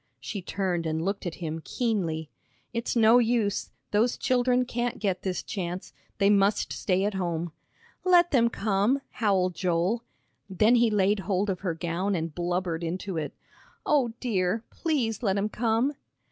She turned and looked at him keenly. "It's no use, those children can't get this chance. They must stay at home." "Let them come," howled Joel. Then he laid hold of her gown and blubbered into it. "O dear! Please let 'em come!"